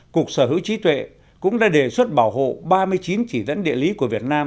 cục sở hữu trí tuệ cũng đã đề xuất bảo hộ ba mươi chín chỉ dẫn địa lý của việt nam